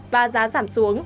và giá giảm xuống